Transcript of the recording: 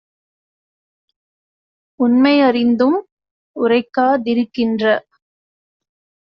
உண்மை யறிந்தும் உரைக்கா திருக்கின்ற